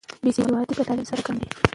بې سوادي په تعلیم سره کمیږي.